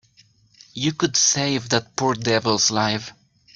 You could save that poor devil's life.